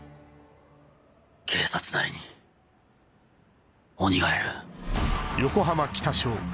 警察内に鬼がいる。